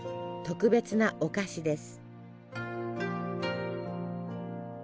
特別なお菓子です。